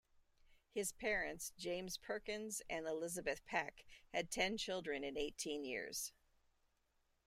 His parents, James Perkins and Elizabeth Peck, had ten children in eighteen years.